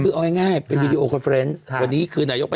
เพื่อประเทศชาติกราชโจรสิรณหรือของพวกเรา